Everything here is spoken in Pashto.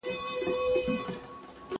غوښي د هر چا خوښي دي، پيشي ايمان پر راوړی دئ.